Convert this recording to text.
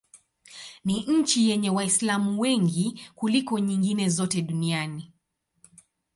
Ni nchi yenye Waislamu wengi kuliko nyingine zote duniani.